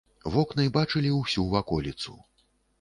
Вокны бачылі ўсю ваколіцу.